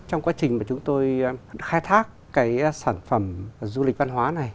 trong quá trình mà chúng tôi khai thác cái sản phẩm du lịch văn hóa này